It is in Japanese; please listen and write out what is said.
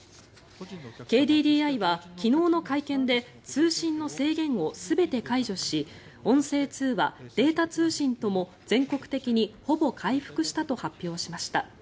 ＫＤＤＩは昨日の会見で通信の制限を全て解除し音声通話、データ通信とも全国的にほぼ回復したと発表しました。